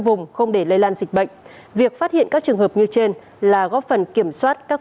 vùng không để lây lan dịch bệnh việc phát hiện các trường hợp như trên là góp phần kiểm soát các